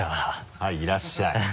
はいいらっしゃい。